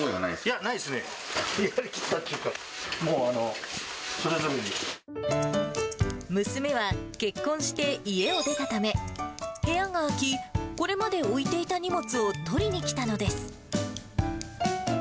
やりきったっていうか、娘は結婚して家を出たため、部屋が空き、これまで置いていた荷物を取りに来たのです。